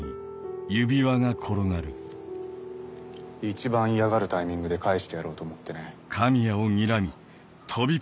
一番嫌がるタイミングで返してやろうと思ってね。